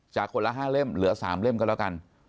คนละ๕เล่มเหลือ๓เล่มก็แล้วกัน